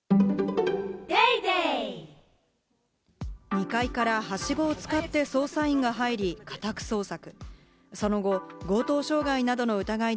２階から、はしごを使って捜査員が入り、家宅捜索。